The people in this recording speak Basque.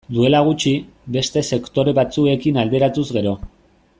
Duela gutxi, beste sektore batzuekin alderatuz gero.